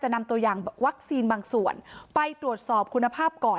นำตัวอย่างวัคซีนบางส่วนไปตรวจสอบคุณภาพก่อน